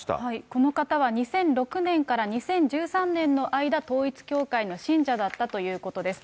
この方は２００６年から２０１３年の間、統一教会の信者だったということです。